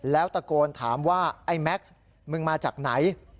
แล้วตะโกนถามว่าไอ้แม็กซ์มึงมาจากไหน